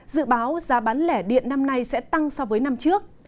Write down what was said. dự báo giá bán lẻ điện năm nay sẽ tăng so với năm trước